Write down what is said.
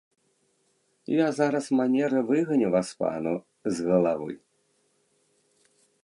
Я зараз манеры выганю васпану з галавы!